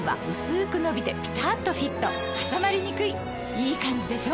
いいカンジでしょ？